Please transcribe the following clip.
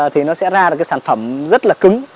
thì nó sẽ ra được cái sản phẩm rất là cứng